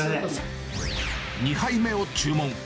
２杯目を注文。